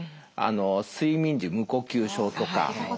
睡眠時無呼吸症とか。